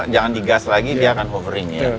jangan digas lagi dia akan hovering ya